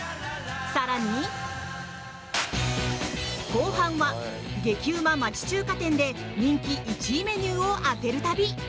更に、後半は激うま町中華店で人気１位メニューを当てる旅。